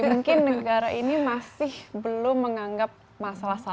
mungkin negara ini masih belum menganggap masalah